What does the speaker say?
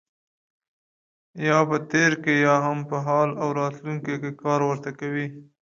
یا په تېر کې یا هم په حال او راتلونکي کې کار ورته کوي.